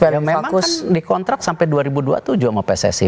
ya memang dikontrak sampai dua ribu dua puluh tujuh sama pssi